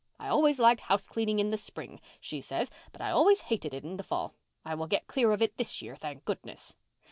I always liked house cleaning in spring,' she says, 'but I always hated it in the fall. I will get clear of it this year, thank goodness.